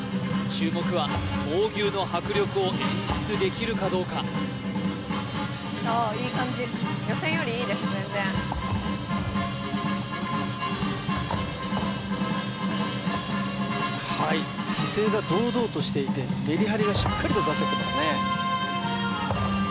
注目は闘牛の迫力を演出できるかどうか全然はい姿勢が堂々としていてメリハリがしっかりと出せてますね